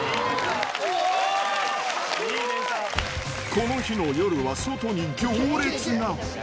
この日の夜は、外に行列が。